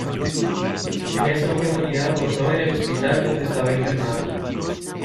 En esa oportunidad votó en el hospital donde estaba internada.